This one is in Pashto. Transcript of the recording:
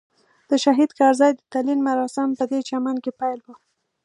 د شهید کرزي د تلین مراسم پدې چمن کې پیل وو.